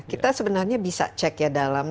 kita sebenarnya bisa cek ya dalam